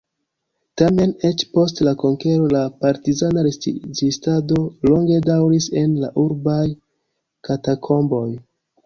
Tamen, eĉ post la konkero la partizana rezistado longe daŭris en la urbaj katakomboj.